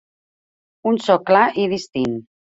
Un so clar i distint.